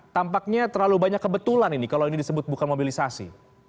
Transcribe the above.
tampaknya terlalu banyak kebetulan ini kalau ini disebut bukan mobilisasi